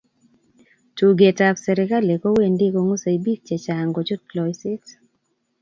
Tugeetab serikali kowendi kong'usei biik chechang' kochut loiseet.